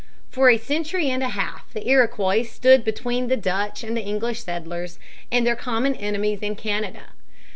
For a century and a half the Iroquois stood between the Dutch and English settlers and their common enemies in Canada.